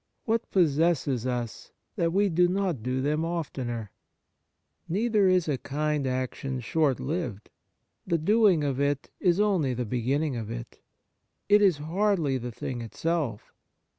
What pos sesses us that we do not do them oftener ? Neither is a kind action short Hved. The doing of it is only the beginning of it ; it is hardly the thing itself.